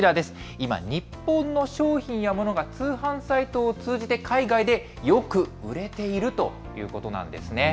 今、日本の商品やものが通販サイトを通じて、海外でよく売れているということなんですね。